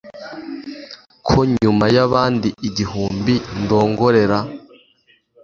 Ko nyuma yabandi igihumbi ndongorera